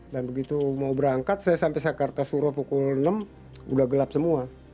dan begitu mau berangkat saya sampai sekarta suro pukul enam udah gelap semua